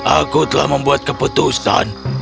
aku telah membuat keputusan